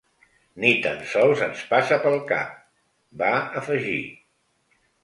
Ni tan sols ens passa pel cap –va afegir–.